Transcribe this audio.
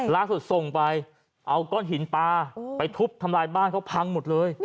ล่าสุดส่งไปเอาก้อนหินปลาไปทุบทำลายบ้านเขาพังหมดเลย